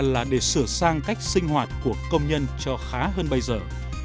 là để sửa sang cách sinh hoạt của công nhân cho khá hơn bây giờ